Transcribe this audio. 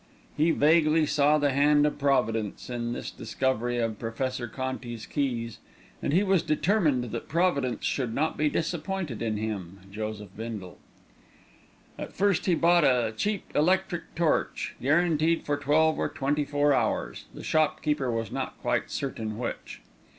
He vaguely saw the hand of Providence in this discovery of Professor Conti's keys, and he was determined that Providence should not be disappointed in him, Joseph Bindle. First he bought a cheap electric torch, guaranteed for twelve or twenty four hours the shopkeeper was not quite certain which.